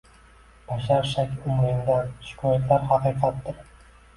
Bashar shaki umrindan shikoyatlar haqiqatdir